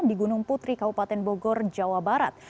di gunung putri kabupaten bogor jawa barat